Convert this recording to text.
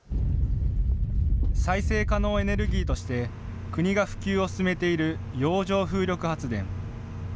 再生可能エネルギーとして国が普及を進めている洋上風力発電。